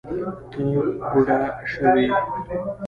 ته بوډه شوې